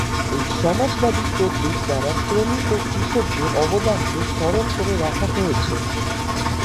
এই সমাজবাদী প্রতীক দ্বারা শ্রমিক ও কৃষকদের অবদানকে স্মরণ করে রাখা হয়েছে।